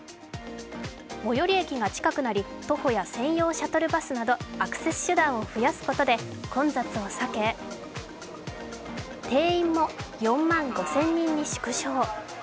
最寄り駅が近くなり徒歩や専用シャトルバスなどアクセス手段を増やすことで混雑を避け、定員も４万５０００人に縮小。